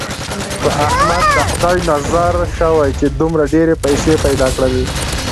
په احمد د خدای نظر شوی، چې دومره ډېرې پیسې یې پیدا کړلې.